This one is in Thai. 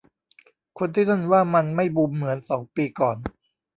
คนที่นั่นว่ามันไม่บูมเหมือนสองปีก่อน